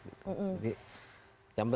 jadi yang penting kita nyampe